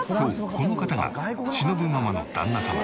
この方がしのぶママの旦那様